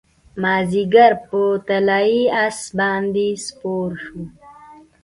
مازدیګر په طلايي اس باندې سپور شو